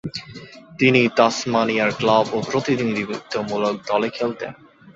তিনি তাসমানিয়ার ক্লাব ও প্রতিনিধিত্বমূলক দলে খেলতেন।